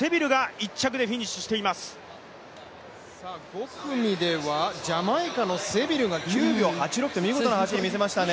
５組ではジャマイカのセビルが９秒８６とすばらしいタイムを出しましたね。